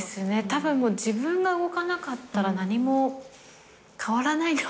たぶん自分が動かなかったら何も変わらないね